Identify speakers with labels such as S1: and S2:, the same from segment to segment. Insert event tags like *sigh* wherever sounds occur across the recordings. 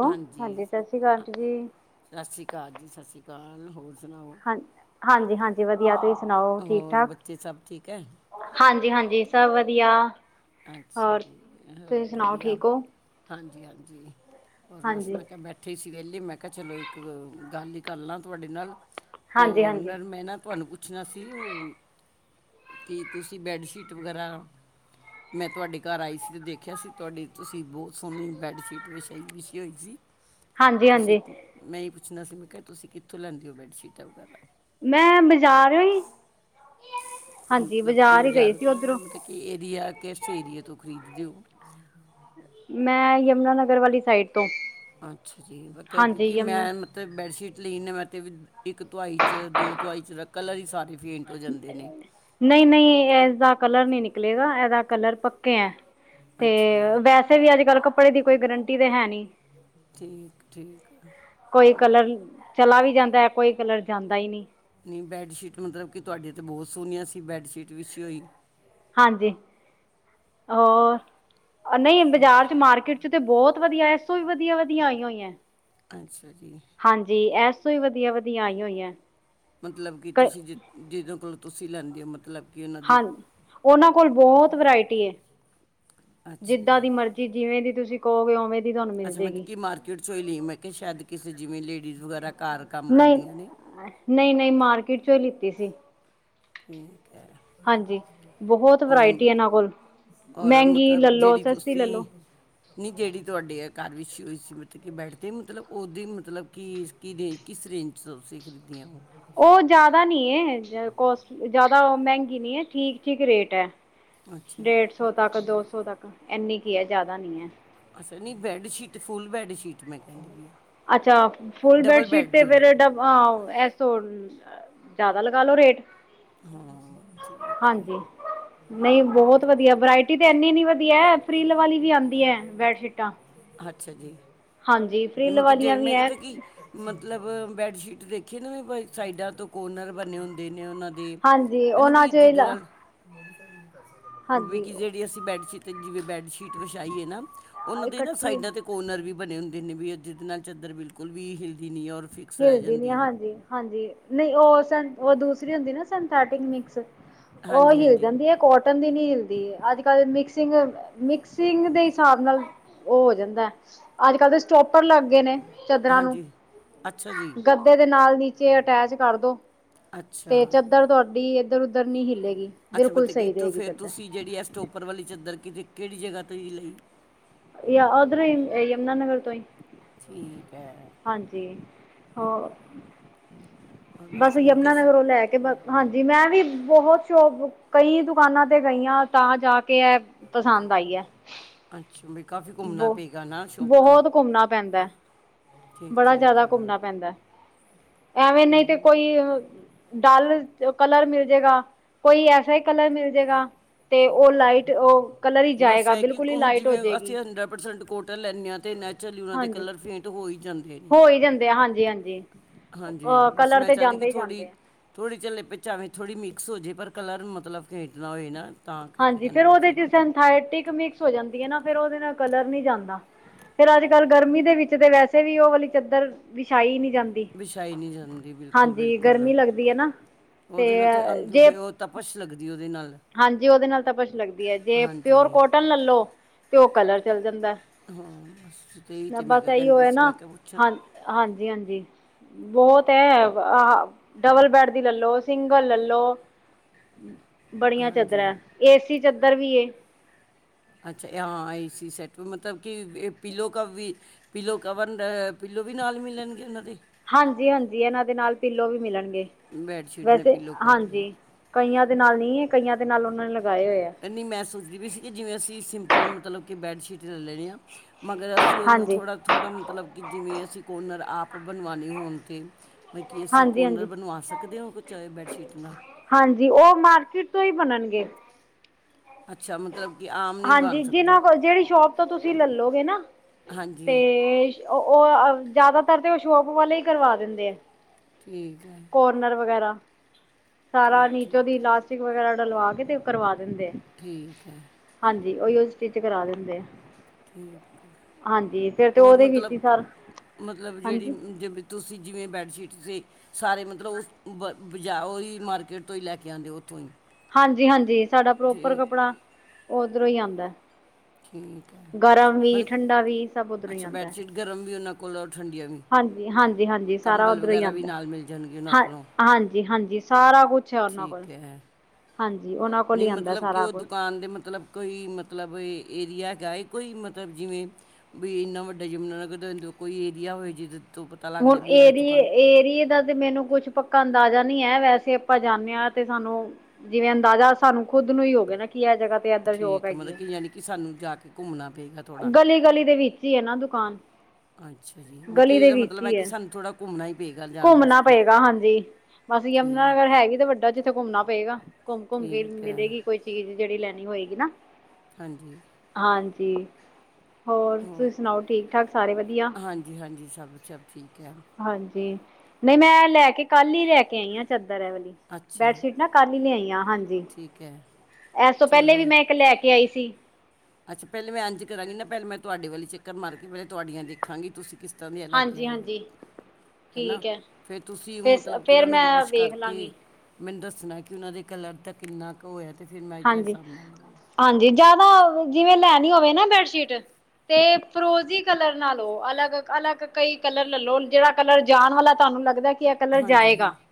S1: Hello
S2: ਹਾਂਜੀ
S1: ਸਤਿ ਸ਼੍ਰੀ ਅਕਾਲ ਆਂਟੀ ਜੀ
S2: ਸਤਿ ਸ਼੍ਰੀ ਅਕਾਲ ਜੀ ਸਤਿ ਸ਼੍ਰੀ ਅਕਾਲ ਹੋਰ ਸੁਣਾਓ
S1: ਹਾਂ ਹਾਂਜੀ ਹਾਂਜੀ ਵਧੀਆ ਤੁਸੀਂ ਸੁਣਾਓ ਠੀਕ
S2: ਹੋਰ
S1: ਠਾਕ
S2: ਬੱਚੇ ਸਭ ਠੀਕ ਹੈ
S1: ਹਾਂਜੀ ਹਾਂਜੀ ਸਭ ਵਧੀਆ
S2: ਅੱਛਾ
S1: ਹੋਰ
S2: ਜੀ
S1: ਤੁਸੀਂ ਸੁਣਾਓ
S2: ਵੋਧੀਆ
S1: ਠੀਕ ਹੋ
S2: ਹਾਂਜੀ ਹਾਂਜੀ ਹੋਰ ਬਸ
S1: ਹਾਂਜੀ
S2: ਮੈਂ ਕਿਹਾ ਬੈਠੇ ਉੱਥੇ ਸੀ ਵਿਹਲੇ ਮੈਂ ਕਿਹਾ ਚਲੋ ਇੱਕ ਗੱਲ ਹੀ ਕਰ ਲਾਂ ਤੁਹਾਡੇ ਨਾਲ ਤੇ
S1: ਹਾਂਜੀ ਹਾਂਜੀ
S2: ਮੈਂ ਨਾ ਤੁਹਾਨੂੰ ਪੁੱਛਣਾ ਸੀ ਉਹ ਕਿ ਤੁਸੀਂ ਬੈਡਸ਼ੀਟ ਵਗੈਰਾ ਮੈਂ ਤੁਹਾਡੇ ਘਰ ਆਈ ਸੀ ਅਤੇ ਦੇਖਿਆ ਸੀ ਤੁਹਾਡੀ ਤੁਸੀਂ ਬਹੁਤ ਸੋਹਣੀ ਬੈੱਡਸ਼ੀਟ ਵਿਛਾਈ ਵਿਛੀ ਹੋਈ ਸੀ
S1: ਹਾਂਜੀ
S2: ਤੁਸੀਂ
S1: ਹਾਂਜੀ
S2: ਮੈਂ ਹੀ ਪੁੱਛਣਾ ਸੀ ਮੈਂ ਕਿਹਾ ਤੁਸੀਂ ਕਿੱਥੋਂ ਲੈਂਦੇ ਹੋ ਬੈਡਸ਼ੀਟਾਂ ਵਗੈਰਾ
S1: ਮੈਂ ਬਜ਼ਾਰ ਹੀ, ਹਾਂਜੀ ਬਾਜ਼ਾਰ ਈ ਗਈ ਸੀ ਓਧਰੋਂ।
S2: ਏਹ ਏਰੀਆ, ਕਿਸ ਏਰੀਏ ਤੋਂ ਖਰੀਦਦੇ ਹੋ?
S1: ਮੈਂ ਯਮੁਨਾਨਗਰ ਵਾਲੀ ਸਾਈਡ ਤੋਂ।
S2: ਅੱਛਾ ਜੀ, ਕਿਉ
S1: ਹਾਂਜੀ
S2: ਕਿਉਂਕਿ
S1: ਯਮੁਨਾ
S2: ਮੈਮ ਤੇ ਬੈੱਡਸ਼ੀਟ *unintelligible* ਤਾਂ ਵੀ ਇੱਕ ਤੁਆਈ ਚ, ਦੋ ਤੁਆਈ ਚ, ਕਲਰ ਈ ਸਾਰੇ ਫੇਂਟ ਹੋ ਜਾਂਦੇ ਨੇ।
S1: ਨਹੀਂ ਨਹੀਂ ਇਸਦਾ ਕਲਰ ਨਹੀਂ ਨਿਕਲੇਗਾ ਇਹਦਾ ਕਲਰ ਪੱਕੇ ਹੈ ਤੇ
S2: ਅੱਛਾ ਜੀ
S1: ਵੈਸੇ ਵੀ ਅੱਜ ਕੱਲ ਕੱਪੜੇ ਦੀ ਕੋਈ ਗਰੰਟੀ ਤੇ ਹੈ ਨਹੀਂ
S2: ਠੀਕ ਠੀਕ
S1: ਕੋਈ ਕਲਰ ਚਲਾ ਵੀ ਜਾਂਦਾ ਹੈ ਕੋਈ ਕਲਰ ਜਾਂਦਾ ਹੀ ਨਹੀਂ
S2: ਨਹੀਂ ਬੈੱਡਸ਼ੀਟ ਮਤਲਬ ਕਿ ਤੁਹਾਡੇ ਤਾਂ ਬਹੁਤ ਸੋਹਣੀਆਂ ਸੀ ਬੈੱਡਸ਼ੀਟ ਵਿੱਸ਼ੀ ਹੋਈ
S1: ਹਾਂਜੀ ਹੋਰ ਨਹੀਂ ਬਾਜ਼ਾਰ ਚ ਮਾਰਕੀਟ ਚ ਤੇ ਬਹੁਤ ਵਧੀਆ ਇਸੋ ਵੀ ਵਧੀਆ ਵਧੀਆ ਆਈ ਹੋਈਆਂ
S2: ਅੱਛਾ ਜੀ
S1: ਹਾਂਜੀ ਐਸ ਤੋਂ ਹੀ ਵਧੀਆ ਵਧੀਆ ਆਈ ਹੋਈ ਹੈ
S2: ਮਤਲਬ ਕਿ ਤੁਸੀਂ ਜਿ ਜਿਹਦੋਂ ਕੋਲੋਂ ਤੁਸੀਂ ਲੈਂਦੇ ਹੋ ਮਤਲਬ ਕਿ ਉਹਨਾਂ ਦੇ
S1: ਹਾਂ ਉਹਨਾਂ ਕੋਲ ਬਹੁਤ ਵਰਾਇਟੀ ਹੈ
S2: ਅੱਛਾ
S1: ਜਿੱਦਾਂ
S2: ਜੀ
S1: ਦੀ ਮਰਜ਼ੀ ਜੀ ਜਿਵੇਂ ਵੀ ਤੁਸੀਂ ਕਹੋਗੇ, ਔਵੇਂ
S2: ਅੱਛਾ, ਮਤਬ ਕਿ ਮਾਰਕੀਟ ਚੋਂ ਹੀ ਲਈ, ਮੈਂ ਕਿਹਾ ਸ਼ਾਇਦ, ਕਿਸੇ ਜਿਵੇਂ ਲੇਡੀਜ਼ ਵਗੈਰਾ ਕਾਰ
S1: ਨਈ, ਨਹੀਂ-ਨਹੀਂ, ਮਾਰਕੀਟ ਚੋਂ ਹੀ ਲਿੱਤੀ ਸੀ।
S2: ਠੀਕ ਹੈ,
S1: ਹਾਂਜੀ ਬਹੁਤ
S2: ਔਨ
S1: ਵਰਾਇਟੀ ਇਹਨਾਂ ਕੋਲ
S2: ਔਰ
S1: ਮਹਿੰਗੀ
S2: ਮਤਲਬ
S1: ਲੈ ਲਓ
S2: ਜੇਹੜੀ
S1: ਸਸਤੀ ਲੈ
S2: ਤੁਸੀਂ
S1: ਲਓ
S2: ਨੀ ਜੇਹੜੀ ਤੁਹਾਡੇ ਏ ਘਰ ਵੀਸ਼ੀ ਹੋਈ ਸੀ, ਮਤਲਬ ਕਿ, ਬੈਡ ਤੇ ਮਤਲਬ, ਉਹਦੀ ਮਤਲਬ ਕਿ ਕਿਦੇ, ਕਿਸ ਰੇਂਜ ਚ ਤੁਸੀਂ, ਖਰੀਦਆਂ ਉਹ?
S1: ਉਹ ਜਾਦਾ ਨੀ ਏ, ਕੋਸਟ, ਜਾਦਾ ਉਹ ਮਹਿੰਗੀ ਨੀ ਏ, ਠੀਕ-ਠੀਕ ਰੇਟ ਹੈ।
S2: ਅੱਛਾ
S1: ਡੇਢ
S2: ਜੀ
S1: ਸੌ ਤੱਕ, ਦੋ ਸੌ ਤੱਕ, ਇੰਨੀ ਕੀ ਹੈ, ਜਾਦਾ ਨੀ ਹੈ।
S2: ਅੱਛਾ ਨੀ, ਬੈਡਸ਼ੀਟ, ਫੁਲ ਬੈਡਸ਼ੀਟ ਮੈਂ ਕਹਿੰਦੀ ਬੀ ਆ।
S1: ਅੱਛਾ, ਫੁਲ
S2: ਡਬਲ
S1: ਬੇਡਸ਼ੀਟ
S2: ਬੈੱਡ
S1: ਤੇ
S2: ਦੀ
S1: ਫੇਰ ਡਬ ਆਓ ਏਹ ਸੋਲ ਜਾਦਾ ਲਗਾ ਲੋ ਰੇਟ।
S2: ਹਾਂ। ਠੀਕ ਹੈ
S1: ਹਾਂਜੀ, ਨਈ ਬਹੋਤ ਵਧੀਆ, ਵਰਾਇ ਟੀ ਤੇ ਏਨੀ-ਏਨੀ ਵਧੀਆ ਐ, ਫਰੀਲ ਵਾਲੀ ਵੀ ਆਂਦੀ ਐ ਬੈਡਸ਼ੀਟਾਂ।
S2: ਅੱਛਾ ਜੀ,
S1: ਹਾਂਜੀ ਫਰਿੱਲ
S2: ਮਤਬ ਕਿ ਜੇ,
S1: ਵਾਲੀਆਂ ਵੀ
S2: ਮੈਂ
S1: ਹੈ
S2: ਕਿਤੇ ਕੀ ਮਤਲਬ ਬੈਡਸ਼ੀਟ ਦੇਖੀ ਨੂੰ ਵੀ ਬਈ, ਸਾਈਡਾਂ ਤੋਂ ਕੋਰਨਰ ਬਣੇ ਹੁੰਦੇ ਨੇ, ਉਹਨਾਂ ਦੇ,
S1: ਹਾਂਜੀ
S2: ਹਨਾ
S1: ਉਹਨਾਂ
S2: ਬੀ
S1: 'ਚ
S2: ਜਿੱਦੇ ਲਾਲ
S1: ਹਾਂਜੀ
S2: ਵਿਕੀ ਜੇਹੜੀ ਅਸੀਂ ਬੈਡਸੀਤ, ਜਿਵੇਂ ਬੈਡਸ਼ੀਟ ਵਿਛਾਈ ਏ ਨਾ ਔਨਾਂ ਦੇ ਨਾ
S1: ਇਕੱਠੀ
S2: ਸਾਈਡਾਂ ਤੇ ਕੋਰਨਰ ਵੀ ਬਣੇ ਹੁੰਦੇ ਨੇ, ਵੀ ਉਹ ਜਿਦੇ ਨਾਲ ਚਦਰ ਬਿਲਕੁਲ ਵੀ ਹਿਲਦੀ ਨਈ ਹੈ, ਔਰ ਫਿਰ
S1: ਹਿਲਦੀ ਨੀ ਆ, ਹਾਂਜੀ-ਹਾਂਜੀ, ਨਈ ਔਹ ਸਨ, ਔਹ ਦੂਸਰੀ ਹੁੰਦੀ ਨਾ ਸਨਥੇਟਿਕ ਮਿਕਸ, ਔਹ
S2: ਹਾਂਜੀ
S1: ਹੀ ਹੋਈ
S2: ਹਾਂਜੀ
S1: ਜਾਂਦੀ ਹੈ ਕੋਟ ਟਨ ਦੀ ਨੀ ਹਿਲਦੀ, ਅੱਜ ਕੱਲ ਮਿਕਸਿੰਗ ਅ ਮਿਕਸਿੰਗ ਦੇ ਸਾਬ ਨਾਲ, ਔਹ ਹੋ ਜਾਂਦਾ ਏ, ਅੱਜ ਕੱਲ੍ਹ ਤੇ ਸਟੋਪਰ ਲੱਗ ਗਏ ਨੇ, ਚਦਰਾਂ ਨੂੰ।
S2: ਹਾਂਜੀ ਅੱਛਾ ਜੀ
S1: ਗੱਦੇ ਦੇ ਨਾਲ ਨੀਚੇ, ਅਟੈਚ ਕਰਦੋ।
S2: ਅੱਛਾ
S1: ਤੇ ਚਦਰ ਤੁਹਾਡੀ ਏਦਰ ਉਦਰ ਨਈ ਹਿਲੇਗੀ। ਬਿਲਕੁਲ ਸਈ ਰਹੇਗੀ ਚਦਰ।
S2: ਤੇ ਉਪਰ ਵਾਲੀ ਚੱਦਰ, ਕਿਦੇ, ਕੇਹੜੀ ਜਗ੍ਹਾ ਤੋ ਈ ਲਈ?
S1: ਯਾ ਓਧਰੋਂ ਈ, ਏਹ ਯਮੁਨਾਨਗਰ ਤੋਂ ਹੀ।
S2: ਠੀਕ ਐ।
S1: ਹਾਂਜੀ, ਹੋ।
S2: ਹੂੰ।
S1: ਬਸ ਯਮੁਨਾਨਗਰੋਂ ਲੈ ਕੇ, ਬ ਹਾਨ ਜੀ ਮੈਂ ਵੀ ਬਹੋਤ ਸ਼ੋਪ, ਕਈ ਦੁਕਾਨਾਂ ਤੇ ਗਈ ਆ, ਤਾਂ ਜਾ ਕੇ ਏਹ ਪਸੰਦ ਆਈ ਹੈ।
S2: ਅੱਛਾ ਵੀ ਕਾਫੀ ਘੁੰਮਣਾ
S1: ਬੋ,
S2: ਪਏਗਾ ਨਾ ਸ਼ੋਪ ਤੇ
S1: ਬਹੋਤ ਘੁੰਮਣਾ ਪੈਂਦਾ ਐ।
S2: ਠੀਕ
S1: ਬੜਾ
S2: ਠੀਕ
S1: ਜਿਆਦਾ ਘੁੰਮਣਾ ਪੈਂਦਾ ਐਵੇਂ ਨਹੀਂ ਤੇ ਕੋਈ ਡਾਲ ਕਲਰ ਮਿਲ ਜੇਗਾ ਕੋਈ ਐਸਾ ਹੀ ਕਲਰ ਮਿਲ ਜੇਗਾ ਤੇ ਉਹ ਲਾਈਟ ਉਹ ਕਲਰ ਹੀ
S2: ਬਸ
S1: ਜਾਏਗਾ
S2: ਇਹ ਕਿ
S1: ਬਿਲਕੁਲ ਹੀ
S2: ਹੁਣ
S1: ਲਾਈਟ ਹੋ
S2: ਜਿਵੇਂ
S1: ਜਾਏਗੀ
S2: ਅਸੀਂ ਹੰਡਰਡ ਪਰਸੈਂਟ ਕੋਟਨ ਲੈਂਦੇ ਹਾਂ। ਅਤੇ ਨੈਚੁਰਲੀ ਉਹਨਾਂ ਦੇ ਕਲਰ ਫੇਂਟ ਹੋ ਹੀ ਜਾਂਦੇ। ਨੇ
S1: ਪਈ ਰਹਿੰਦੇ ਏ, ਹਾਂਜੀ-ਹਾਂਜੀ।
S2: ਹਾਂਜੀ, ਬਸ ਮੈਂ ਚਾਂਦੀ ਕਿ
S1: ਜਾਂਦੇ
S2: ਥੋੜੀ
S1: ਆ
S2: ਥੋੜ੍ਹੇ ਚਲ ਲਿਪ ਚ ਆਵੇਂ ਥੋੜ੍ਹੀ ਮਿਕਸ ਹੋ ਜਾਵੇ। ਪਰ ਕਲਰ ਮਤਲਬ ਖੇਟ ਨਾ ਹੋਏ ਨਾ। ਤਾਂ ਕਰਕੇ
S1: ਹਾਂਜੀ
S2: ਕਹਿੰਦੇ
S1: ਫੇਰ
S2: ਵੀ
S1: ਉਹਦੇ
S2: ਸੀ
S1: ਚ ਸਿੰਥੈਟਿਕ ਮਿਕਸ ਹੋ ਜਾਂਦੀ ਹੈ ਨਾ ਫੇਰ ਉਹਦੇ ਨਾਲ ਕਲਰ ਨਹੀਂ ਜਾਂਦਾ। ਫੇਰ ਅੱਜ-ਕੱਲ੍ਹ ਗਰਮੀ ਦੇ ਵਿੱਚ ਤੇ ਵੈਸੇ ਵੀ ਓ ਵਾਲੀ ਚਾਦਰ ਵਿਛਾਈ ਨੀ ਜਾਂਦੀ।
S2: ਵਿਛਾਈ ਨਹੀਂ ਜਾਂਦੀ
S1: ਹਾਂਜੀ
S2: ਬਿਲਕੁਲ-ਬਿਲਕੁਲ
S1: ਗਰਮੀ ਲੱਗਦੀ ਹੈ ਨਾ
S2: ਉਹਦੇ ਨਾਲ ਤੇ
S1: ਜੇ
S2: ਤਪਸ਼ ਲੱਗਦੀ ਉਹਦੇ ਨਾਲ।
S1: ਹਾਂਜੀ ਉਹਦੇ ਨਾਲ ਤਾਂ ਬਛ ਲੱਗਦੀ ਹੈ ਜੇ
S2: ਹਾਂਜੀ
S1: ਪਿਓਰ ਕੋਟਨ ਲੱਲੋ ਤੇ ਉਹ ਕਲਰ ਚੱਲ ਜਾਂਦਾ।
S2: ਹਾਂ ਬਸ ਤੇਹੀ ਤਾਂ ਮੈਂ ਕਿਹਾ ਕਹਿਨ ਬਸੀ ਮੈਂ ਕਿਹਾ ਪੁੱਛਾ।
S1: ਹਾਂਜੀ-ਹਾਂਜੀ। ਬਹੁਤ ਹੈ ਡਬਲ ਬੈਡ ਦੀ ਲੱਲੋ ਸਿੰਗਲ ਲੱਲੋ। ਬੜੀਆਂ
S2: ਹਾਂਜੀ
S1: ਚੱਦਰਾਂ ਐ ਏਸੀ ਚੱਦਰ ਵੀ ਐ।
S2: ਅੱਛਾ ਹਾਂ ਏ ਸੀ ਸੈਟ ਪ ਮਤਲਬ ਕਿ ਇਹ ਪੀਲੋ ਕਾ ਵੀ ਪਿੱਲੋ ਕਵਰ ਅ, ਪੀਲੋ ਵੀ ਨਾਲ ਮਿਲਨਗੇ ਇਨਾ ਦੇ
S1: ਹਾਂਜੀ-ਹਾਂਜੀ ਐਨਾ ਦੇ ਨਾਲ ਪੀਲੋ ਵੀ ਮਿਲਨਗੇ,
S2: ਬੈੱਡ ਸ਼ੀਟ ਨੇ
S1: ਵੈਸੇ
S2: ਪਿੱਲੋ ਕਵਰ ਵੀ
S1: ਹਾਂਜੀ। ਕਈਆਂ ਦੇ ਨਾਲ ਨੀ ਐ ਕਈਆਂ ਦੇ ਨਾਲ ਓਨਾਂ ਨੇ ਲਗਾਏ ਓਏ ਐ।
S2: ਨੀ ਮੈਂ ਸੋਚਦੀ ਵੀ ਸੀ ਕਿ ਜਿਵੇ ਅਸੀ ਸਿੰਪਲ ਮਤਲਬ ਕਿ ਬੈੱਡਸ਼ੀਟ ਲੇ ਲੈਨੀ ਆ ਮਗਰ ਅਸੀਂ ਓਨੂੰ
S1: ਹਾਂਜੀ
S2: ਥੋੜਾ-ਥੋੜਾ ਮਤਲਬ ਕਿ ਜਿਵੇ ਅਸੀ ਕੋਨਰ ਆਪ ਬਨਵਾਨੇ ਹੋਨ ਤੇ ਬਈ ਕਿ ਅਸੀਂ
S1: ਹਾਂਜੀ
S2: ਕੋਨਰ
S1: ਹਾਂਜੀ
S2: ਬਨਵਾ ਸਕਦੇ ਓ ਕੋਈ ਚਾਵੇ ਬੈਡਸ਼ੀਟ ਨਾਲ
S1: ਹਾਂਜੀ ਓ ਮਾਰਕੀਟ ਤੋ ਈ ਬਨੱਨਗੇ।
S2: ਅੱਛਾ, ਮਤਲਬ ਕਿ ਆਮ ਨਹੀਂ
S1: ਹਾਂਜੀ
S2: ਬਣ ਸਕਦੀ
S1: ਜਿਨਾਂ ਕੋਲ ਜੇੜੀ ਸ਼ੋਪ ਤੋ ਤੁਸੀਂ ਲੇਲੋਗੇ ਨਾ, ਤੇ
S2: ਹਾਂਜੀ
S1: ਓ, ਓ ਅ ਜਿਆਦਾਤਰ ਤੇ ਓ ਸ਼ੋਪ ਵਾਲੇ ਈ ਕਰਵਾ ਦਿੰਦੇ ਐ।
S2: ਠੀਕ ਐ।
S1: ਕੋਰਨਰ ਵਗੈਰਾ, ਸਾਰਾ ਨੀਚੋ
S2: ਠੀਕ
S1: ਦੀ ਲਾਸਟਿਕ ਵਗੈਰਾ ਡਲਵਾ ਕੇ ਤੇ ਓ ਕਰਵਾ ਦਿੰਦੇ ਐ।
S2: ਠੀਕ ਐ।
S1: ਹਾਂਜੀ, ਓਯੋ ਸਟਿਚ ਕਰਾ ਦਿੰਦੇ ਐ।
S2: ਠੀਕ ਐ
S1: ਤਾਂ
S2: ਓਰ
S1: ਉਹਦੇ ਵਿੱਚ
S2: ਮਤਲਬ,
S1: ਹੀ ਸਾਰਾ
S2: ਮਤਲਬ ਜੇੜੀ
S1: ਹਾਂਜੀ
S2: ਜੇ ਤੁਸੀ ਜਿਵੇ ਬੈਡਸ਼ੀਟ ਸੀ ਸਾਰੇ ਮਤਲਬ ਉਸ ਵ ਬਜਾ ਓਈ ਮਾਰਕੀਟ ਤੋ ਈ‌ ਲੈ ਕੇ ਆਂਦੇ ਓਥੋ ਈ।
S1: ਹਾਂਜੀ-ਹਾਂਜੀ ਸਾਡਾ ਪ੍ਰੋਪਰ ਕੱਪੜਾ, ਓਦਰੋ ਈ ਆਂਦੈ।
S2: ਠੀਕ ਹੈ
S1: ਗਰਮ ਵੀ,
S2: ਮਤਲਬ ਕਿ-
S1: ਠੰਡਾ ਵੀ ਸਬ ਓਦਰੋ ਈ
S2: ਅੱਛਾ ਬੈੱਡ
S1: ਆਂਦੈ।
S2: ਸ਼ੀਟ ਗਰਮ ਵੀ ਓਨਾਂ ਕੋਲੋ ਠੰਡੀਆਂ ਵੀ
S1: ਹਾਂਜੀ, ਹਾਂਜੀ-ਹਾਂਜੀ ਸਾਰਾ
S2: ਕੰਬਲ
S1: ਓਦਰੋ ਈ
S2: ਵਗੈਰਾ ਵੀ
S1: ਆਂਦੈ।
S2: ਨਾਲ ਮਿਲ ਜਾਣਗੇ ਉਹਨਾਂ
S1: ਹਾਂ,
S2: ਕੋਲੋਂ
S1: ਹਾਂਜੀ-ਹਾਂਜੀ ਸਾਰਾ ਕੋਛ ਐ ਓਨਾਂ ਕੋਲ
S2: ਠੀਕ ਹੈ
S1: ਹਾਂਜੀ, ਓਨਾਂ ਕੋਲ ਈ ਆਂਦੈ ਸਾਰਾ ਕੋਛ।
S2: ਆੰਦੇ ਮਤਲਬ ਕੋਈ ਮਤਲਬ ਏਰੀਆ ਏਗਾ ਏ ਕੋਈ ਮਤਲਬ ਜਿਵੇਂ ਬਈ ਇੰਨਾ ਵੱਡਾ ਯਮੁਨਾਨਗਰ ਦਸ ਦਿਓ ਕੋਈ ਏਰੀਆ ਹੋਵੇ ਜਿਦ
S1: ਹੁਨ ਏਰੀਏ, ਏਰੀਏ ਦਾ ਤੇ ਮੈਨੂੰ ਕੁੱਛ ਪੱਕਾ ਅੰਦਾਜਾ ਨੀ ਐ ਵੈਸੇ ਅਪਾ ਜਾਨੇ ਆ ਤੇ ਸਾਨੂ ਜਿਵੇ ਅੰਦਾਜ਼ਾ ਸਾਨੂੰ ਖੁਦ ਨੂੰ ਈ ਓਗਯਾ ਨਾ ਕੀ ਐ ਜਗਾ
S2: ਠੀਕ ਐ ਮਤਲਬ ਕਿ ਯਾਨੀ ਕਿ ਸਾਨੂੰ ਜਾ ਕੇ ਘੁੰਮਨਾ ਪੇਗਾ
S1: ਗਲੀ-ਗਲੀ ਦੇ ਵਿੱਚ ਈ ਏ ਨਾ ਦੁਕਾਨ।
S2: ਅੱਛਾ ਜੀ ਮਤਲਬ
S1: ਗਲੀ
S2: ਕਿ
S1: ਦੇ
S2: ਇਹਦਾ
S1: ਵਿੱਚ
S2: ਮਤਲਬ
S1: ਈ
S2: ਹੈ ਕਿ
S1: ਏ,
S2: ਸਾਨੂੰ ਥੋੜਾ ਘੁੰਮਣਾ ਹੀ ਪਏਗਾ ਜਾਣ
S1: ਘੁੰਮਨਾ
S2: ਵਾਸਤੇ
S1: ਪਏਗਾ ਹਾਂਜੀ। ਬਾਸ ਯਮਨਾ ਨਗਰ
S2: ਠੀਕ ਹੈ,
S1: ਹੈਗੀ ਤੇ ਵੱਡਾ ਜਿ ਤੇ ਘੁੰਮਨਾ ਪਏਗਾ, ਘੋਮ-ਘੋਮ ਕੇ
S2: ਠੀਕ ਹੈ
S1: ਮਿਲੇਗੀ ਕੋਈ ਚੀਜ ਜੇੜੀ ਲੈਨੀ ਹੋਏਗੀ ਨਾ।
S2: ਹਾਂਜੀ।
S1: ਹਾਂਜੀ।
S2: ਹੋਰ,
S1: ਤੁਸੀਂ ਸੁਣਾਓ ਠੀਕ ਠਾਕ ਸਾਰੇ ਵਧੀਆ?
S2: ਹਾਂਜੀ-ਹਾਂਜੀ ਸਬ, ਸਬ ਠੀਕ ਐ।
S1: ਹਾਂਜੀ, ਨਈ ਮੈਂ ਲੈ ਕੇ ਕਾੱਲ ਈ ਲੈ ਕੇ ਆਈ ਆ ਚੱਦਰ ਐ ਵਲੀ,
S2: ਅੱਛਾ
S1: ਬੈਡਸ਼ੀਟਾਂ ਕਲ੍ਹ ਈ ਲਿਆਈ ਆ, ਹਾਂਜੀ,
S2: ਠੀਕ ਹੈ
S1: ਐਸ ਤੋਂ ਪੇਲੇ
S2: ਚਲੋ
S1: ਵੀ ਮੈਂ ਇੱਕ ਲੈ ਕੇ ਆਈ ਸੀ।
S2: ਅੱਛਾ, ਪੇਲੇ ਮੈਂ ਏਂਜ ਕਰਾਂਗੀ ਨਾ, ਪੇਲੇ ਮੈਂ ਤੁਹਾਡੇ ਵਲ ਈ ਚੱਕਰ ਮਾਰ ਕੇ, ਪੇਲੇ ਤੁਹਾਡੀਆਂ ਦੇਖਾਂਗੀ, ਤੁਸੀਂ ਕਿਸ ਤੋਲਿਆ ਲੇ ਕੇ ਆਈ ਹੁੰ।
S1: ਹਾਂਜੀ-ਹਾਂਜੀ,
S2: ਹੈਨਾ,
S1: ਠੀਕ ਹੈ
S2: ਫਿਰ ਤੁਸੀਂ
S1: ਫਿਰ
S2: ਮਤਲਬ ਕਿ,
S1: ਫੇਰ
S2: ਇਹਨਾਂ ਨੂੰ
S1: ਮੈਂ
S2: ਵੋਸ਼
S1: ਵੇਖ
S2: ਕਰਕੇ
S1: ਲਾਂਗੀ।
S2: ਮੈਨੂੰ ਦੱਸਣਾ ਕਿ ਉਹਨਾਂ ਦੇ ਕਲਰ ਤਾਂ ਕਿੰਨਾ ਕੁ ਹੋਇਆ? ਤੇ ਫਿਰ ਮੈਂ ਅ ਤਾਂ
S1: ਹਾਂਜੀ,
S2: ਹਿਸਾਬ ਨਾਲ ਲਵਾਗੀ।
S1: ਹਾਂਜੀ, ਜਾਦਾ ਜਿਵੇਂ ਲੈਣੀ ਹੋਵੇ ਨਾ ਬੈਡਸ਼ੀਟ ਤੇ ਫਰੋਜ਼ੀ ਕਲਰ ਨਾ ਲੋ, ਅਲੱਗ-ਅਲੱਗ ਕਈ ਕਲਰ ਲੈਲੋ ਜਿਹੜਾ ਕਲਰ ਜਾਣ ਵਾਲਾ ਤੁਹਾਨੂੰ ਲੱਗਦਾ ਏ, ਕਿ ਏਹ ਕਲਰ
S2: ਹਾਂਜੀ
S1: ਜਾਏਗਾ।
S2: ਹਾਂਜੀ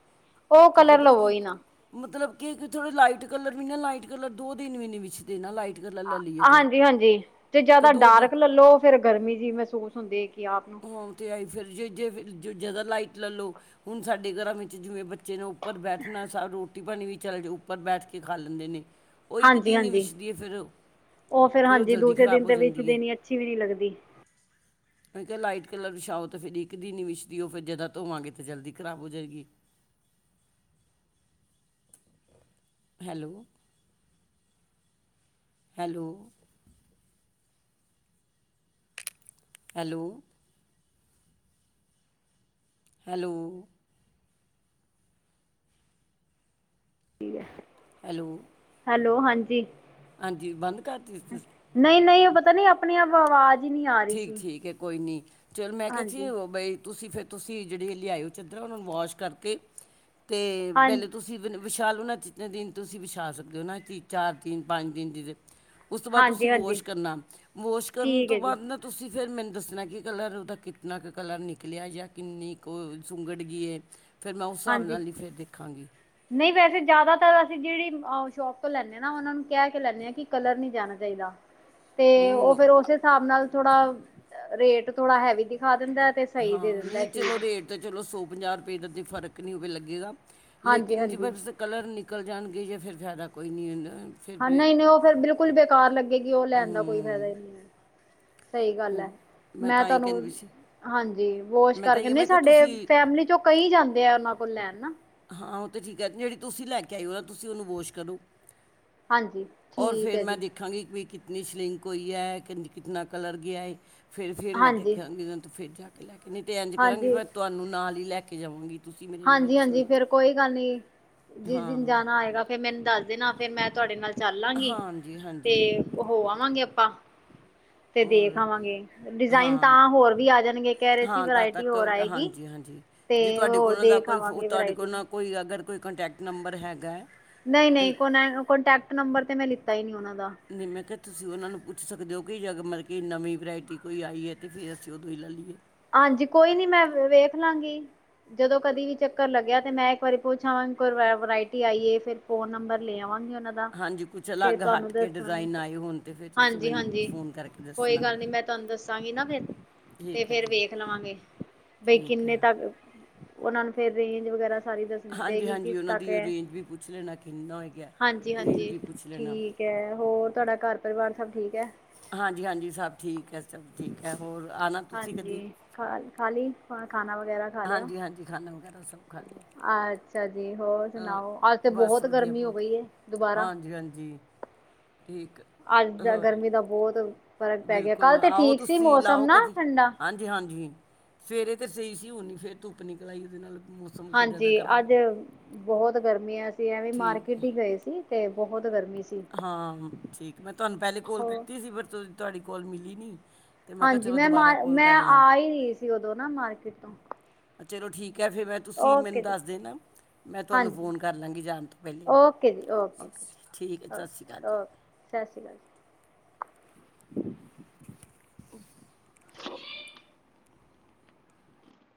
S1: ਉਹ
S2: ਠੀਕ ਹੈ
S1: ਕਲਰ
S2: ਪਤਾ
S1: ਲਵੋ
S2: ਕੀ
S1: ਹੀ ਨਾ।
S2: ਮਤਲਬ ਕਿ ਥੋੜੇ ਲਾਈਟ ਕਲਰ ਵੀ ਨਾ ਲਾਈਟ ਕਲਰ ਦੋ ਦਿਨ ਵੀ ਨਹੀਂ ਵਿੱਛ ਦੇ ਨਾ ਲਾਈਟ ਕਲ
S1: ਹਾਂਜੀ ਹਾਂਜੀ ਤੇ ਜਿਆਦਾ
S2: ਦੋ ਦਿਨ
S1: ਡਾਰਕ ਲੈਲੋ ਫਿਰ ਗਰਮੀ ਜਿਹੀ ਮਹਿਸੂਸ ਹੁੰਦੀ ਕਿ ਆਪ ਨੂੰ
S2: ੳਹ ਤੇ ਆਈ ਫਿਰ ਜੇ ਜੇ ਜ਼ਿਆਦਾ ਲਾਈਟ ਲੈ ਲਉ ਹੁਣ ਸਾਡੇ ਘਰਾਂ ਵਿੱਚ ਜਿਵੇਂ ਬੱਚੇ ਨੂੰ ਉਪਰ ਬੈਠਣਾ ਸਭ ਰੋਟੀ ਪਾਣੀ ਵੀ ਚੱਲ ਜਾ ਉੱਪਰ ਬੈਠ ਕੇ ਖਾ ਲੈਂਦੇ ਨੇ। ਉਹ ਇੱਕ
S1: ਹਾਂਜੀ
S2: ਦਿਨ ਹੀਂ
S1: ਹਾਂਜੀ
S2: ਵਿਛਦੀ ਹੈ ਫਿਰ ਫਿਰ ਉਹ
S1: ਹਾਂਜੀ
S2: ਜਲਦੀ
S1: ਦੂਸਰੇ
S2: ਖ਼ਰਾਬ
S1: ਦਿਨ
S2: ਹੋ
S1: ਤੇ ਵਿੱਚ
S2: ਜਾਂਦੀ ਹੈ।
S1: ਦੇਣੀ ਅੱਛੀ ਵੀ ਨਹੀਂ ਲੱਗਦੀ।
S2: ਮੈਂ ਕਿਹਾ ਲਾਈਟ ਕਲਰ ਵਿਛਾਓ ਤਾਂ ਫਿਰਰ ਇੱਕ ਦਿਨ ਵਿਛਦੀ ਉਹ ਫਿਰ ਜਾਦਾਂ ਧੋਵਾਂਗੇ ਤਾਂ ਜਲਦੀ ਖਰਾਬ ਹੋ ਜਾਏਗੀ।
S1: ਹ
S2: ਹੈਲੋ। ਹੈਲੋ। ਹੈਲੋ। ਹੈਲੋ।
S1: ਠੀਕ ਹੈ।
S2: ਹੈਲੋ ਹਾਂਜੀ ਬੰਦ ਕਰਤੀ ਸੀ ਤੁ
S1: ਨਹੀਂ ਨਹੀਂ ਉਹ ਪਤਾ ਨੀ ਆਪਣੀ ਆਪ ਆਵਾਜ਼ ਹੀ ਨਹੀਂ ਆ ਰਹੀ
S2: ਠੀਕ
S1: ਸੀ
S2: ਠੀਕ ਹੈ ਕੋਈ ਨੀ ਚਲ ਮੈਂ ਕਿਹਾ ਸੀ
S1: ਹਾਂਜੀ
S2: ਉਹ ਬਈ ਤੁਸੀਂ ਫਿਰ ਤੁਸੀ ਜਹੜੇ ਲਿਆ ਔ ਚਦਰਾ ਉਹਣਾ ਨੂੰ ਵਾਸ਼ ਕਰਕੇ ਤੇ
S1: ਹਾਂ
S2: ਪਹਲੇ ਤੁਸੀ ਵਿਛਾਲ ਲੂ ਨਾ ਜਿਤਨੇ ਦਿਨ ਤੁਸੀਂ ਵਿਛਾ ਸਕਦੇ ਹੋ ਨਾ ਕਿ ਚਾਰ ਦਿਨ ਪੰਜ ਦਿਨ ਦੀ ਉਸ ਤੋਂ ਬਾਅਦ
S1: ਹਾਂਜੀ
S2: ਤੁਸੀਂ
S1: ਹਾਂਜੀ
S2: ਵਾਸ਼ ਕਰਨਾ ਵਾਸ਼ ਕਰਨ
S1: ਠੀਕ
S2: ਤੋਂ
S1: ਹੈ ਜੀ
S2: ਬਾਅਦ ਨਾ ਤੁਸੀਂ ਫਿਰ ਮੈਨੂੰ ਦੱਸਣਾ ਕਿ ਕਲਰ ਉਹਦਾ ਕਿਤਨਾ ਕੁ ਕਲਰ ਨਿਕਲਿਆ ਜਾਂ ਕਿੰਨੀ ਕੁ ਸੁੰਗੜ ਗਈ ਹੈ। ਫਿਰ ਮੈਂ ਉਸ ਹਿਸਾਬ
S1: ਹਾਂਜੀ
S2: ਨਾਲ ਨਹੀਂ ਫਿਰ ਦੇਖਾਂਗੀ।
S1: ਨਹੀਂ ਵੈਸੇ ਜਿਆਦਾ ਤਰ ਅਸੀਂ ਜਿਹੜੀ ਅ ਸ਼ੋਪ ਲੈਂਦੇ ਨਾ ਉਹਨਾਂ ਨੂੰ ਕਹਿ ਕੇ ਲੈਂਦੇ ਕਿ ਕਲਰ ਨੀ ਜਾਣਾ ਚਾਹੀਦਾ। ਤੇ
S2: ਨਹੀਂ
S1: ਉਹ
S2: ਹੁਣ
S1: ਫੇਰ ਉਸ ਹਿਸਾਬ ਨਾਲ ਥੋੜਾ ਰੇਟ ਥੋੜਾ ਹੈਵੀ ਦਿਖਾ ਦਿੰਦਾ। ਤੇ ਸਹੀ
S2: ਹਾਂ
S1: ਦੇ ਦਿੰਦਾ
S2: ਨਹੀਂ
S1: ਚੀਜ਼।
S2: ਚਲੋ ਰੇਟ ਚਲੋ ਸੌ ਪੰਜਾਹ ਰੁਪਏ ਦਾ ਫਰਕ ਨਹੀਂ ਹੋਵੇ ਲੱਗੇਗਾ
S1: ਹਾਂਜੀ
S2: ਲੇਕਿਨ ਜਵੇ
S1: ਹਾਂਜੀ
S2: ਕਲਰ ਨਿਕਲ ਜਾਣਗੇ ਜੇ ਫਿਰ ਫਾਇਦਾ ਕੋਈ ਨਹੀਂ ਹੁੰਦਾ। ਫਿਰ
S1: ਹਾਂ
S2: ਵੀ,
S1: ਨਹੀਂ ਨਹੀਂ ਉਹ ਫਿਰ ਬਿਲਕੁਲ ਬੇਕਾਰ ਲੱਗੇਗੀ ਉਹ ਲੈਣ ਦਾ ਕੋਈ ਫਾਇਦਾ
S2: ਹਮ,
S1: ਹੀ ਨਹੀਂ। ਸਹੀ ਗੱਲ ਹੈ
S2: ਹੋਰ
S1: ਮੈਂ
S2: ਤਾਂ ਹੀ
S1: ਤੁਹਾਨੂੰ
S2: ਕਹਿੰਦੀ ਸੀ
S1: ਹਾਂਜੀ ਵੋਸ਼
S2: ਮੈਂ ਤਾਂ
S1: ਕਰਕੇ
S2: ਇਹ
S1: ਨਹੀਂ
S2: ਮੈਂ ਕਿ
S1: ਸਾਡੇ
S2: ਤੁਸੀਂ
S1: ਫੈਮਲੀ ਚੋਂ ਕਈ ਜਾਂਦੇ ਆ ਉਹਨਾਂ ਕੋਲ ਲੈਣ ਨਾ।
S2: ਹਾਂ ਉਹ ਤਾਂ ਠੀਕ ਹੈ ਜਿਹੜੀ ਤੁਸੀਂ ਲੈ ਕੇ ਆਇਓ ਨਾ ਤੁਸੀਂ ਉਹਨੂੰ ਵਾਸ਼ ਕਰੋ।
S1: ਹਾਂਜੀ
S2: ਔਰ
S1: ਠੀਕ
S2: ਫੇਰ
S1: ਹੈ
S2: ਮੈਂ
S1: ਜੀ
S2: ਦੇਖ ਦੇਖਾਂਗੀ ਵੀ ਕਿਤਨੀ ਸਿਲਿੰਕ ਹੋਈ ਹੈ ਕਿੰ ਕਿਤਨਾ ਕਲਰ ਗਿਆ ਹੈ। ਫਿਰ ਫਿਰ ਮੈਂ
S1: ਹਾਂਜੀ
S2: ਦੇਖਾਂਗੀਨ ਤੋਂ ਫਿਰ ਜਾ ਕੇ ਲੈ ਕੇ ਨਹੀਂ ਤੇ ਇੰਜ ਕਰਾਂਗੀ
S1: ਹਾਂਜੀ
S2: ਮੈਂ ਤੁਹਾਨੂੰ ਨਾਲ ਹੀ ਲੈ ਕੇ ਜਾਵਾਂਗੀ। ਤੁਸੀਂ ਮੇਰੇ ਨਾਲ
S1: ਹਾਂਜੀ ਹਾਂਜੀ ਫੇਰ
S2: ਚੱਲਣਾ
S1: ਕੋਈ ਗੱਲ ਨੀ ਜਿਸ ਦਿਨ
S2: ਹਾਂ
S1: ਜਾਣਾ ਆਏਗਾ ਫਿਰ ਮੈਨੂੰ ਦੱਸ ਦੇਣਾ ਫਿਰ ਮੈਂ ਤੁਹਾਡੇ ਨਾਲ ਚੱਲਾਂਗੀ
S2: ਹਾਂਜੀ
S1: ਤੇ
S2: ਹਾਂਜੀ
S1: ਹੋ ਆਵਾਂਗੇ ਆਪਾਂ। ਤੇ ਦੇਖ
S2: ਔਰ
S1: ਆਵਾਂਗੇ ਡਿਜ਼ਾਇਨ
S2: ਹਾਂ
S1: ਤਾਂ ਹੋਰ ਵੀ ਆ ਜਾਣਗੇ ਕੇਹ ਰੇ ਸੀ
S2: ਹਾਂ ਤਦ
S1: ਵਰਾਇਟੀ
S2: ਤੱਕ
S1: ਹੋਰ ਆਏਗੀ। ਤੇ ਹੋਰ
S2: ਉਹ ਦਾ
S1: ਦੇਖ
S2: ਕੋਈ
S1: ਆਵਾਂਗੇ
S2: ਤੁਹਾਡੇ ਕੋਲ
S1: ਵਰਾਇਟੀ
S2: ਨਾ ਕੋਈ ਅਗਰ ਕੋਈ ਕੰਟੈਕਟ ਨੰਬਰ ਹੈਗਾ।
S1: ਨਹੀਂ
S2: ਤੇ
S1: ਨਹੀਂ ਕੋ ਕਟੈਕਟ ਨੰਬਰ ਤੇ ਮੈਂ ਲਿੱਤਾ ਹੀ ਨਹੀਂ ਉਹਨਾਂ ਦਾ।
S2: ਨਹੀਂ ਮੈਂ ਕਿਹਾ ਤੁਸੀਂ ਉਹਨਾਂ ਨੂੰ ਪੁੱਛ ਸਕਦੇ ਹੋ ਕਿ ਜਗ ਬਲਕਿ ਨਵੀਂ ਵਰਾਇਟੀ ਕੋਈ ਆਈ ਏ। ਤੇ ਫਿਰ ਅਸੀਂ ਉਹਦੋ ਹੀ ਲੈ ਲਈਏ।
S1: ਹਾਂਜੀ ਕੋਈ ਨੀ ਮੈਂ ਵੇਖ ਲਾਂਗੀ। ਜਦੋਂ ਕਦੀ ਵੀ ਚੱਕਰ ਲੱਗਿਆ ਤੇ ਮੈਂ ਇੱਕ ਵਾਰੀ ਪੁੱਛ ਆਵਾਂਗੀ ਕੋਈ ਵਰਾਇਟੀ ਆਈਏ ਫਿਰ ਫੋਨ ਨੰਬਰ ਲੈ ਆਵਾਂਗੀ ਉਹਨਾ
S2: ਹਾਂਜੀ ਕੁਝ
S1: ਫ
S2: ਅਲੱਗ
S1: ਤੁਹਾਨੂੰ
S2: ਹਟ ਕੇ
S1: ਦੱਸਾਂਗੇ।
S2: ਡਿਜ਼ਾਈਨ ਆਏ ਹੋਣ ਤੇ ਫਿਰ ਤੁਸੀਂ
S1: ਹਾਂਜੀ,
S2: ਮੈਨੂੰ
S1: ਹਾਂਜੀ
S2: ਫੋਨ ਕਰਕੇ
S1: ਕੋਈ
S2: ਦੱਸਣਾ
S1: ਗੱਲ ਨੀ ਮੈਂ ਤੁਹਾਨੂੰ ਦੱਸਾਂਗੀ ਨਾ ਫੇਰ
S2: ਠੀਕ ਹੈ
S1: ਫੇਰ
S2: ਜੀ
S1: ਵੇਖ ਲਵਾਂਗੇ, ਬਈ
S2: ਠੀਕ
S1: ਕਿੰਨੇ
S2: ਹੈ
S1: ਤੱਕ, ਉਹਨਾ ਨੂੰ ਫੇਰ ਰੇਂਜ ਵਗੈਰਾ ਸਾਰੀ ਦੱਸਣੀ
S2: ਹਾਂਜੀ
S1: ਪਏਗੀ ਕਿਸ
S2: ਹਾਂਜੀ ਉਹਨਾਂ
S1: ਤੱਕ
S2: ਦੀ
S1: ਹੈ।
S2: ਰੇਂਜ ਵੀ ਪੁੱਛ ਲੈਣਾ ਕਿੰਨਾ ਹੋਏਗਾ
S1: ਹਾਂਜੀ,
S2: ਰੇਂਜ
S1: ਹਾਂਜੀ
S2: ਵੀ ਪੁੱਛ ਲੈਣਾ
S1: ਠੀਕ। ਹੈ। ਹੋਰ ਤੁਹਾਡਾ ਘਰ ਪਰਿਵਾਰ ਸਭ ਠੀਕ ਐ।
S2: ਹਾਂਜੀ, ਹਾਂਜੀ ਸਭ ਠੀਕ ਹੈ, ਸਭ ਠੀਕ ਹੈ ਹੋਰ ਆ ਨਾ।
S1: ਹਾਂਜੀ ਖਾਲ ਖਾਲੀ ਖਾਣਾ ਵਗੈਰਾ। ਖਾ ਲਿਆ
S2: ਹਾਂਜੀ, ਹਾਂਜੀ ਖਾਣਾ ਵਗੈਰਾ ਸਭ ਖਾ ਲਿਆ।
S1: ਅੱਛਾ ਜੀ, ਹੋਰ
S2: ਅਹ,
S1: ਸੁਣਾਓ ਅੱਜ ਤੇ
S2: ਬਸ
S1: ਬਹੁਤ
S2: ਵਧੀਆ
S1: ਗਰਮੀ ਹੋ
S2: ਬਹੁਤ
S1: ਗਈ ਏ ਦੁਬਾਰਾ।
S2: ਹਾਂਜੀ, ਹਾਂਜੀ। ਠੀਕ।
S1: ਅੱਜ ਦਾ
S2: ਹੋਰ
S1: ਗਰਮੀ ਦਾ ਬਹੁਤ ਫ਼ਰਕ ਪੈ ਗਿਆ, ਕੱਲ
S2: ਬਿਲਕੁਲ
S1: ਤੇ
S2: ਆਓ
S1: ਠੀਕ ਸੀ
S2: ਤੁਸੀਂ
S1: ਮੌਸਮ
S2: ਲਾਓ
S1: ਨਾ
S2: ਕਦੀ
S1: ਠੰਡਾ।
S2: ਹਾਂਜੀ ਹਾਂਜੀ, ਸਵੇਰੇ ਤੇ ਸਹੀ ਸੀ ਹੁਨ ਫੇਰ ਧੁੱਪ ਨਿਕਲ ਆਈ ਉਹਦੇ ਨਾਲ ਮੌਸਮ ਕੁ
S1: ਹਾਂਜੀ,
S2: ਜ਼ਿਆਦਾ ਖਰਾਬ
S1: ਅੱਜ ਬਹੁਤ ਗਰਮੀ ਏ। ਅਸੀ ਐਵੇਂ
S2: ਠੀਕ
S1: ਮਾਰਕੀਟ
S2: ਹੈ
S1: ਹੀ ਗਏ ਸੀ। ਤੇ ਬਹੁਤ ਗਰਮੀ ਸੀ।
S2: ਹਾਂ ਠੀਕ, ਮੈਂ ਤੁਹਾਨੂੰ ਪਹਿਲੇ ਕੋਲ
S1: ਹੋਰ
S2: ਕੀਤੀ ਸੀ ਪਰ ਤੁ ਤੁਹਾਡੀ ਕੋਲ ਮਿਲੀ ਨਹੀਂ। ਤੇ ਕਿਹਾ
S1: ਹਾਂਜੀ,
S2: ਚਲੋ
S1: ਮੈਂ
S2: ਦੁਬਾਰਾ
S1: ਮਾਰ
S2: ਕੋਲ
S1: ਮੈਂ
S2: ਕਰ ਲਾਂ
S1: ਆ ਹੀ ਰਹੀ ਸੀ ਉਦੋਂ ਨਾ ਮਾਰਕੀਟ ਤੋਂ।
S2: ਚਲੋ ਠੀਕ ਹੈ ਫਿਰ ਮੈ ਤੁਸੀਂ ਮੈਨੂੰ
S1: ਓਕੇ ਜੀ
S2: ਦੱਸ ਦੇਨਾ, ਮੈਂ ਤੁਹਾਨੂੰ
S1: ਹਾਂਜੀ
S2: ਫੋਨ ਕਰ ਲਾਂਗੀ ਜਾਣ ਤੋਂ ਪਹਿਲੇ। ਓਕੇ ਜੀ, ਠੀਕ ਹੈ ਜੀ।
S1: ਕੇ
S2: ਸਤਿ ਸ਼੍ਰੀ ਅਕਾਲ
S1: 'ਸਤਿ ਸ੍ਰੀ ਅਕਾਲ ਜੀ'।
S2: *inaudible*